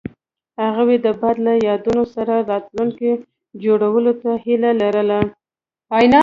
هغوی د باد له یادونو سره راتلونکی جوړولو هیله لرله.